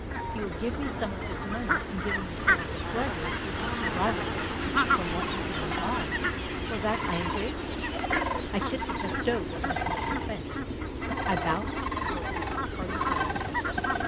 He will give me some of his money in giving me some of the pleasure which is derivable from what his money buys. For that I am grateful. I tip the custode with my sincere thanks. I bow to the door keeper with hearty acknowledgment.